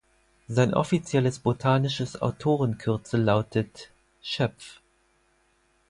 Sein offizielles botanisches Autorenkürzel lautet „Schöpf“.